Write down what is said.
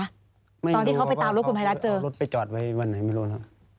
ไม่รู้เพราะว่าตอนที่เขาไปตามรถคุณพระราชเจอเอารถไปจอดไว้วันไหนไม่รู้นะ